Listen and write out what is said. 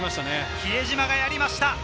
比江島がやりました！